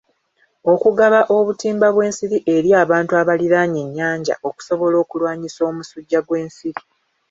Okugaba obutimba bw'ensiri eri abantu abaliraanye ennyanja okusobola okulwanisa omusujja gw'ensiri.